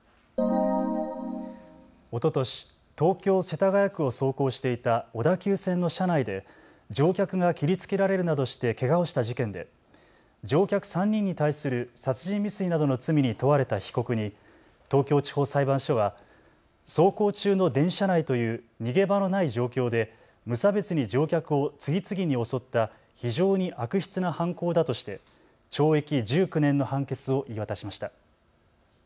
おととし東京世田谷区を走行していた小田急線の車内で乗客が切りつけられるなどしてけがをした事件で乗客３人に対する殺人未遂などの罪に問われた被告に東京地方裁判所は走行中の電車内という逃げ場のない状況で無差別に乗客を次々に襲った非常に悪質な犯行だとして懲役１９年の判決を言い渡しました。